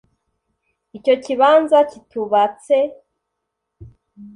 Icyo kibanza kitubatse